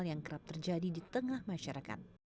yang kerap terjadi di tengah masyarakat